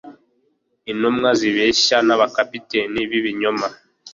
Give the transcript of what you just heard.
Intumwa zibeshya na ba capitaine b'ibinyoma